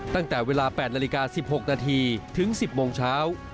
ตั้งแต่เวลา๘นาฬิกา๑๖นาทีถึง๑๐โมงเช้า